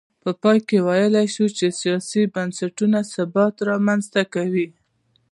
په پای کې ویلای شو چې سیاسي بنسټونه ثبات رامنځته کوي.